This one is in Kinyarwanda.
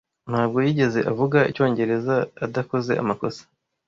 Ntabwo yigeze avuga icyongereza adakoze amakosa.